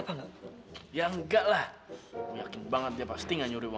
masya allah rp seratus juta